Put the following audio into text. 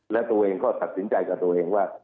และตัวเองก็ตัดสินใจกับตัวเองว่า